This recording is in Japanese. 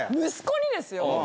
息子にですよ。